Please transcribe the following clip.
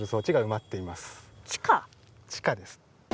地下です。